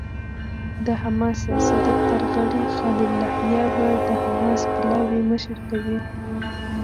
د حماس سیاسي دفتر غړی خلیل الحية به د حماس پلاوي مشري کوي.